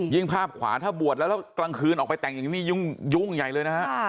ภาพขวาถ้าบวชแล้วแล้วกลางคืนออกไปแต่งอย่างนี้นี่ยุ่งใหญ่เลยนะฮะ